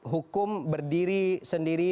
hukum berdiri sendiri